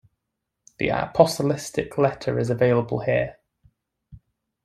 The apostolic letter is available here.